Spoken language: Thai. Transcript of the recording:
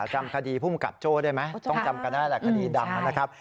จำคดีภูมิกับโจ้ได้ไหมต้องจำกันได้แหละคดีดังนะครับ